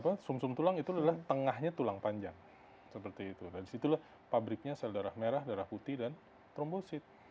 apa sum sum tulang itu adalah tengahnya tulang panjang seperti itu dan disitulah pabriknya sel darah merah darah putih dan trombosit